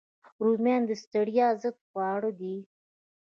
رومیان د ستړیا ضد خواړه دي